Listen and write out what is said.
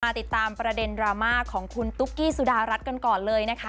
ติดตามประเด็นดราม่าของคุณตุ๊กกี้สุดารัฐกันก่อนเลยนะคะ